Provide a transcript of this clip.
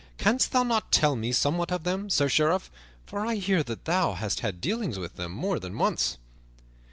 Canst thou not tell me somewhat of them, Sir Sheriff? For I hear that thou hast had dealings with them more than once."